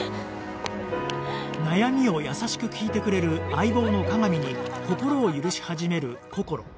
悩みを優しく聞いてくれる相棒の加賀美に心を許し始めるこころ